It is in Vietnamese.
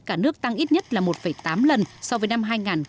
cả nước tăng ít nhất là một tám lần so với năm hai nghìn một mươi